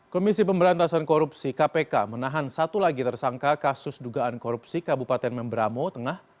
komisi pemberantasan korupsi kpk menahan satu lagi tersangka kasus dugaan korupsi kabupaten membramo tengah